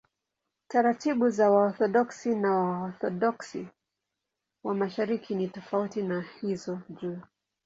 Taratibu za Waorthodoksi na Waorthodoksi wa Mashariki ni tofauti na hizo juu.